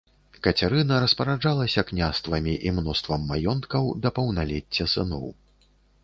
Кацярына распараджалася княствамі і мноствам маёнткаў да паўналецця сыноў.